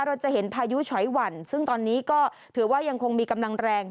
เราจะเห็นพายุฉอยหวั่นซึ่งตอนนี้ก็ถือว่ายังคงมีกำลังแรง